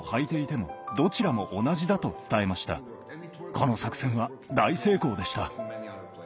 この作戦は大成功でした。